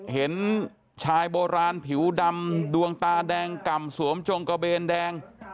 เห็นชายโบราณผิวดำดวงตาแดงกล่ำสวมจงกระเบนแดง